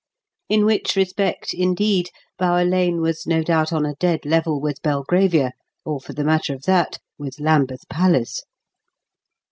In which respect, indeed, Bower Lane was no doubt on a dead level with Belgravia, or, for the matter of that, with Lambeth Palace.